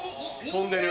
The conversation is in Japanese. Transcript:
飛んでる。